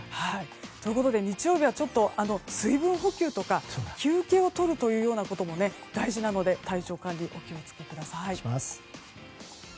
ということで日曜日は水分補給とか休憩をとるというようなことも大事なので体調管理にお気を付けください。